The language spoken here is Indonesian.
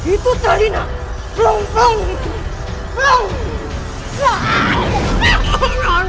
itu tadi nak